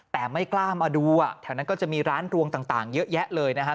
แต่ไม่กล้ามาดูอ่ะแถวนั้นก็จะมีร้านรวงต่างเยอะแยะเลยนะฮะ